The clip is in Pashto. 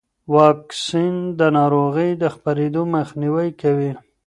واکسن د ناروغۍ د خپرېدو مخنیوی کوي.